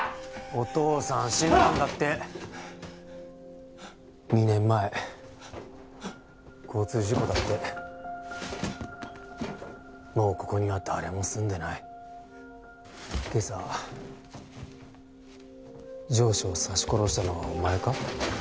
お父さん死んだんだって２年前交通事故だってもうここには誰も住んでない今朝上司を刺し殺したのはお前か？